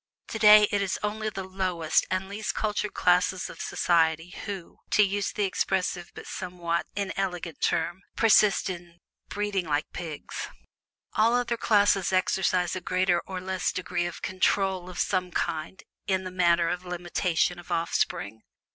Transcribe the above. Today it is only the lowest and least cultured classes of society who (to use the expressive but somewhat inelegant term) persist in "breeding like pigs." All other classes exercise a greater or less degree of "control" of some kind in the matter of limitation of offspring.